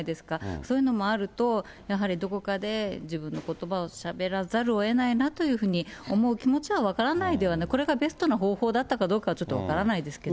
そういうのもあると、やはりどこかで、自分のことばをしゃべらざるをえないなと思う気持ちは分からないではない、これがベストな方法だったかどうかはちょっと分からないですけど。